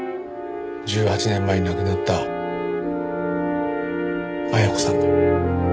１８年前に亡くなった恵子さんが。